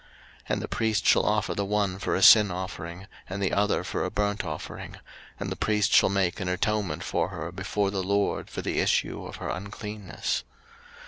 03:015:030 And the priest shall offer the one for a sin offering, and the other for a burnt offering; and the priest shall make an atonement for her before the LORD for the issue of her uncleanness.